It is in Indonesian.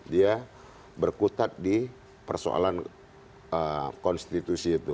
dia berkutat di persoalan konstitusi itu